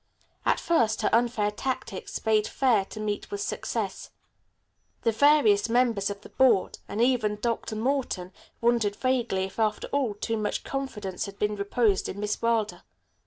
At first her unfair tactics bade fair to meet with success. The various members of the Board, and even Dr. Morton, wondered vaguely if, after all, too much confidence had been reposed in Miss Wilder.